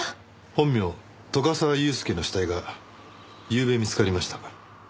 本名斗ヶ沢雄輔の死体がゆうべ見つかりました。